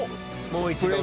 もう一度。